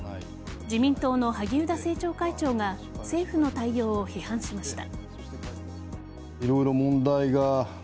自民党の萩生田政調会長が政府の対応を批判しました。